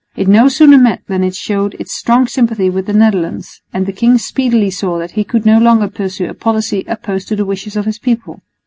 It no sooner met than it showed its strong sympathy with the Netherlands; and the king speedily saw that he could no longer pursue a policy opposed to the wishes of his people.